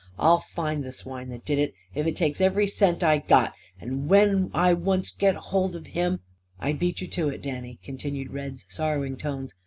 "I'll find the swine that did it, if it takes every cent I got. And when I once get hold of him " "I beat you to it, Danny," continued Red's sorrowing tones.